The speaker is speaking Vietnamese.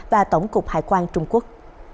và tổng cục hải quan trung quốc